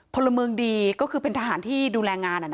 พลเมืองดีก็คือเป็นทหารที่ดูแลงาน